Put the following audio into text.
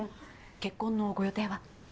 結婚のご予定は？